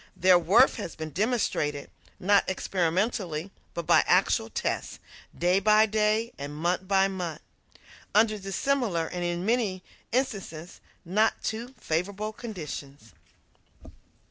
Their worth has been demonstrated, not experimentally, but by actual tests, day by day and month by month, under dissimilar, and, in many instances, not too favorable conditions.